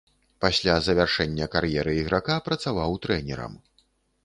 Пасля завяршэння кар'еры іграка працаваў трэнерам.